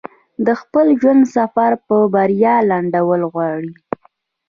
د خپل ژوند سفر په بريا لنډول غواړي.